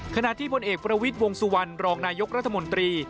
ขณะที่พลเอกประวิทย์วงสุวรรณรองนายกรัฐมนตรี